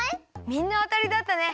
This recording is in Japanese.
みんなあたりだったね！